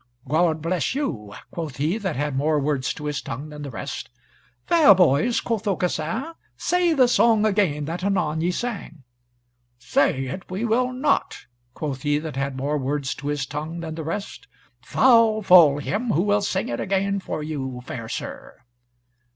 "God bless you," quoth he that had more words to his tongue than the rest. "Fair boys," quoth Aucassin, "say the song again that anon ye sang." "Say it we will not," quoth he that had more words to his tongue than the rest, "foul fall him who will sing it again for you, fair sir!"